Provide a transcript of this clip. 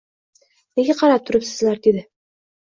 Nega qarab turibsizlar dedi